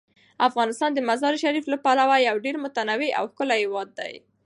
افغانستان د مزارشریف له پلوه یو ډیر متنوع او ښکلی هیواد دی.